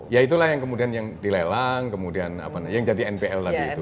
ya itulah yang kemudian yang dilelang kemudian yang jadi npl tadi itu